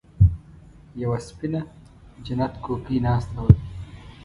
يوه سپينه جنت کوکۍ ناسته وه.